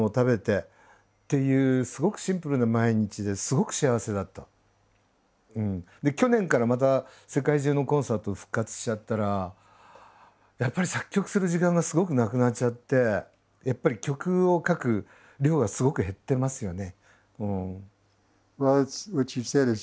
延期されちゃったから時間があって去年からまた世界中のコンサート復活しちゃったらやっぱり作曲する時間がすごくなくなっちゃってやっぱり曲を書く量がすごく減ってますよね。